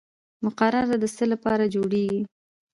مقرره د څه لپاره جوړیږي؟